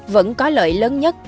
vẫn có lợi lớn nhất